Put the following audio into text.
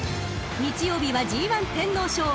［日曜日はＧⅠ天皇賞］